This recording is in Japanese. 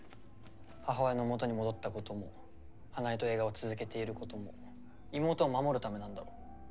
母親のもとに戻ったことも花井と映画を続けていることも妹を守るためなんだろう。